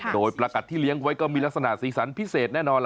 โดยประกัดที่เลี้ยงไว้ก็มีลักษณะสีสันพิเศษแน่นอนล่ะ